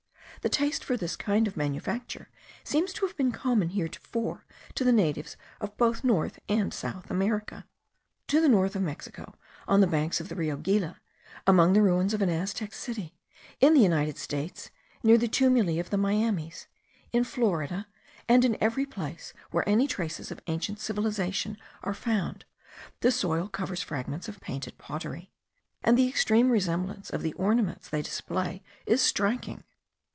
The taste for this kind of manufacture seems to have been common heretofore to the natives of both North and South America. To the north of Mexico, on the banks of the Rio Gila, among the ruins of an Aztec city; in the United States, near the tumuli of the Miamis; in Florida, and in every place where any traces of ancient civilization are found, the soil covers fragments of painted pottery; and the extreme resemblance of the ornaments they display is striking.